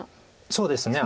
そうですね。